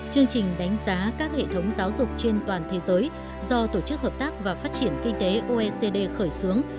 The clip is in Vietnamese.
chương trình đánh giá các hệ thống giáo dục trên toàn thế giới do tổ chức hợp tác và phát triển kinh tế oecd khởi xướng